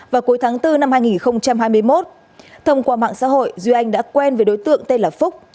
vào cuối tháng bốn năm hai nghìn hai mươi một thông qua mạng xã hội duy anh đã quen với đối tượng tên là phúc